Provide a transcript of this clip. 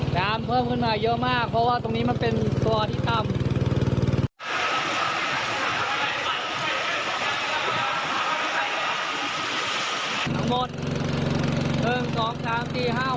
น้ำเพิ่มขึ้นมาเยอะมากเพราะว่าตรงนี้มันเป็นตัวที่ต่ำ